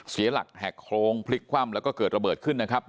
เสียหลักแหกโครงพลิกคว่ำแล้วก็เกิดระเบิดขึ้นนะครับ